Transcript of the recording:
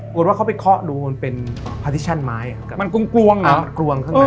กลัวว่าเขาไปเคาะดูมันเป็นพาติชั่นไม้มันกลวงนะ